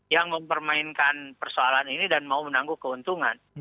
yang mempermainkan persoalan ini dan mau menangguh keuntungan